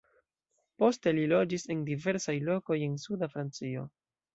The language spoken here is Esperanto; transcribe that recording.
Poste li loĝis en diversaj lokoj en suda Francio.